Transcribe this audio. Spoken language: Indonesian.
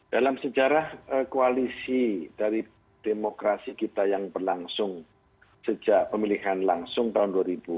dalam sejarah koalisi dari demokrasi kita yang berlangsung sejak pemilihan langsung tahun dua ribu empat